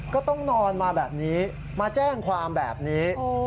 ก็ต้องนอนมาแบบนี้มาแจ้งความแบบนี้